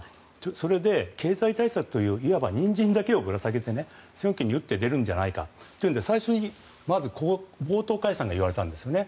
それで、経済対策といういわばニンジンだけをぶら下げて早期に打って出るんじゃないかと最初にまず冒頭解散が言われたんですね。